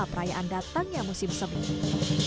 perayaan datangnya musim seminggu